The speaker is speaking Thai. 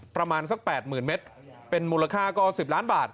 ประมาณสัก๘๐๐๐เมตรเป็นมูลค่าก็๑๐ล้านบาท